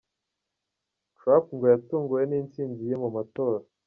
Trump ngo yatunguwe n’intsinzi ye mu matora.